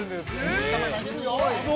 ◆いい球投げるよ！